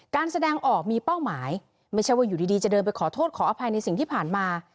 การแสดงออกมีเป้าหมายไม่ใช่ว่าอยู่ดีจะเดินไปขอโทษขออภัยในสิ่งที่ผ่านมา